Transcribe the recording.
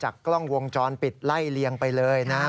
กล้องวงจรปิดไล่เลียงไปเลยนะ